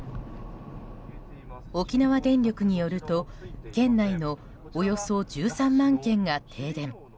沖縄電力によると県内のおよそ１３万軒が停電。